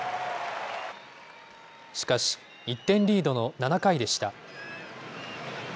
しかし、１点リードの７回でした。